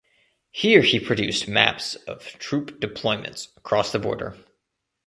Here he produced maps of troop deployments across the border.